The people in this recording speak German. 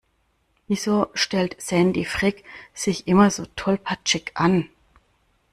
Wieso stellt Sandy Frick sich immer so tollpatschig an?